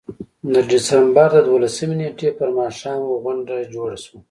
د ډسمبر د دولسمې نېټې پر ماښام غونډه جوړه شوه.